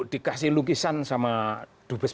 dikasih lukisan sama dubes